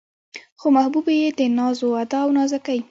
خو محبوبې يې د ناز و ادا او نازکۍ